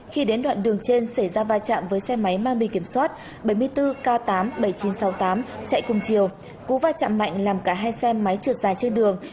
khi đến đoạn đường trên xảy ra va chạm với xe máy mang bì kiểm soát bảy mươi bốn k tám mươi bảy nghìn chín trăm sáu mươi tám chạy cùng chiều cú va chạm mạnh làm cả hai xe máy trượt dài trên đường